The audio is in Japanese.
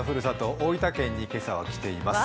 大分県に今朝は来ています。